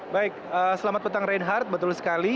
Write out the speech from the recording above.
baik selamat petang reinhardt betul sekali